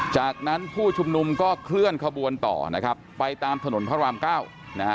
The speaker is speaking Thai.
จากนั้นผู้ชุมนุมก็เคลื่อนขบวนต่อนะครับไปตามถนนพระรามเก้านะฮะ